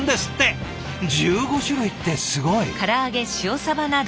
１５種類ってすごい！